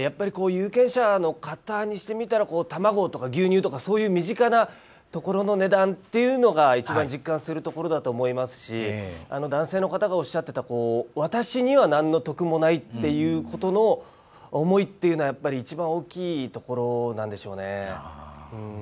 有権者の方にしてみれば卵とか牛乳とかそういう身近なところの値段っていうのが一番実感するところだと思いますし男性の方がおっしゃっていた私にはなんの得もないという思いっていうのは一番大きいところなんでしょうね。